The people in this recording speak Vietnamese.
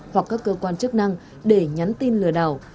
hoặc các cơ quan chức năng để nhắn tin lừa đảo